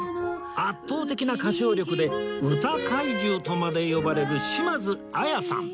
圧倒的な歌唱力で「歌怪獣」とまで呼ばれる島津亜矢さん